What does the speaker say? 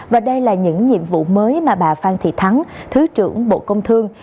và đây là những nhiệm vụ mới mà bà phan thị thắng thứ trưởng bộ công thương